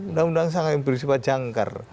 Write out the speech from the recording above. undang undang sangat yang berisik pajangkar